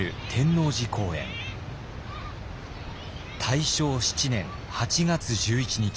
大正７年８月１１日。